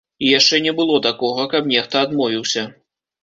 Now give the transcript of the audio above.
І яшчэ не было такога, каб нехта адмовіўся.